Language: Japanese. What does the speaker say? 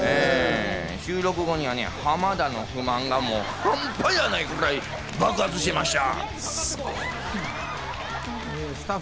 収録後にはね、浜田の不満がハンパじゃないぐらい爆発していました。